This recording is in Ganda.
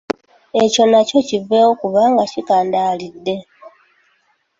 Ekyo nakyo kiveewo kubanga kikandaalidde.